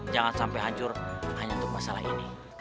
jangan sampai hancur hanya untuk masalah ini